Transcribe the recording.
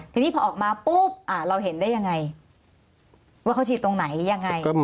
ทีนี้พอออกมาปุ๊บเราเห็นได้ยังไง